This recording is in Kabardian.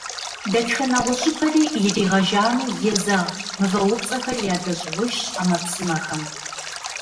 Дэтхэнэ гъущӀыпэри иригъэжану езэгъ мывэупцӀэхэри ядэщӀыгъужщ Ӏэмэпсымэхэм.